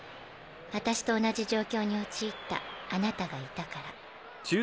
私と同じ状況に陥ったあなたがいたから。